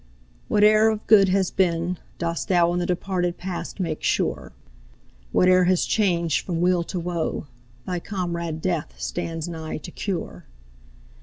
Whate'er of good as been, dost thou In the departed past make sure; Whate'er has changed from weal to woe, Thy comrade Death stands nigh to cure.